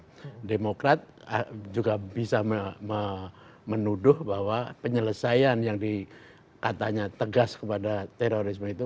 nah demokrat juga bisa menuduh bahwa penyelesaian yang dikatanya tegas kepada terorisme itu